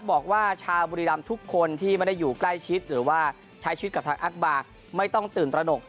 บอกว่าชาวบุรีรำทุกคนที่ไม่ได้อยู่ใกล้ชิดหรือว่าใช้ชีวิตกับทางอักบาร์ไม่ต้องตื่นตระหนก